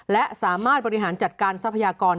และสามารถบริหารจัดการทรัพยากร